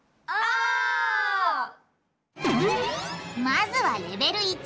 まずはレベル１。